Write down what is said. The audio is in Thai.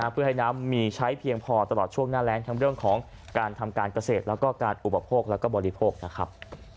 เพื่อให้น้ำมีใช้เพียงพอตลอดช่วงหน้าแรงทั้งเรื่องของการทำการเกษตรแล้วก็การอุปโภคแล้วก็บริโภคนะครับ